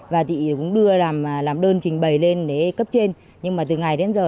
và chị cũng đưa làm đơn trình bày lên để cấp trên nhưng mà từ ngày đến giờ